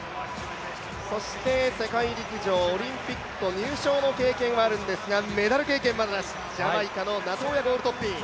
そして世界陸上、オリンピックと入賞の経験はあるんですがメダル経験はまだなし、ジャマイカのナトーヤ・ゴウルトッピン。